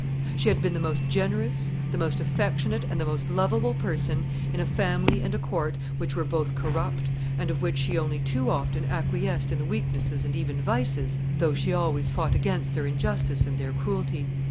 She had been the most generous, the most affectionate, and the most lovable person in a family and a court which were both corrupt, and of which she only too often acquiesced in the weaknesses and even vices, though she always fought against their injustice and their cruelty.